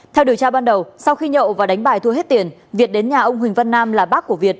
theo điều tra ban đầu sau khi nhậu và đánh bài thua hết tiền việt đến nhà ông huỳnh văn nam là bác của việt